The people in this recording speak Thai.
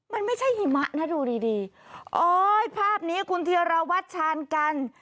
มันไม่ใช่หิมะนะดูดีดีโอ๊ยภาพนี้คุณธีรวัตรชาญกัน